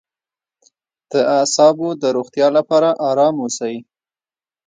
د اعصابو د روغتیا لپاره ارام اوسئ